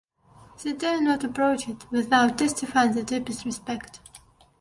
They dare not approach it without testifying the deepest respect.